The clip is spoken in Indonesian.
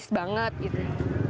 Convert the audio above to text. rasanya enak banget